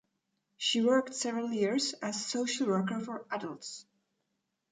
She worked several years as social worker for adults.